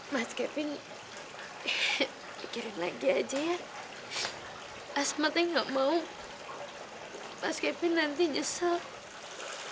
mas kevin pikirin lagi aja ya asma tuh gak mau mas kevin nanti nyesel